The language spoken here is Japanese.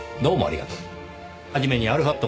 どうもありがとう。